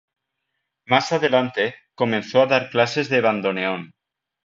Más adelante, comenzó a dar clases de bandoneón.